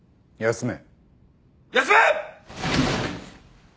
休め！